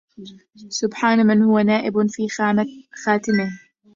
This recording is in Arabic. سبحان من هو نائب في خاتمه